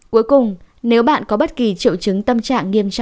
cuối cùng nếu bạn có bất kỳ triệu chứng tâm trạng nghiêm trọng